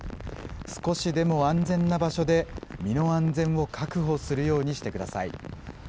少しでも安全な場所で身の安全を確保するようにしてください。